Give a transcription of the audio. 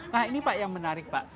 nah ini pak yang menarik pak